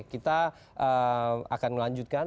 kita akan melanjutkan